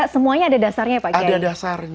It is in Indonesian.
semuanya ada dasarnya ya pak jai ada dasarnya